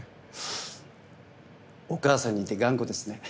お母さんに似て頑固ですね。